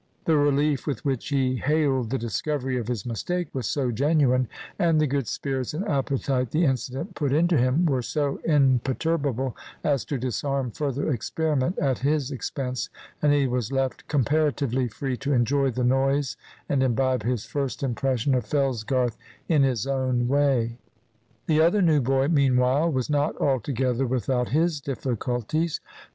The relief with which he hailed the discovery of his mistake was so genuine, and the good spirits and appetite the incident put into him were so imperturbable, as to disarm further experiment at his expense, and he was left comparatively free to enjoy the noise and imbibe his first impression of Fellsgarth in his own way. The other new boy, meanwhile, was not altogether without his difficulties.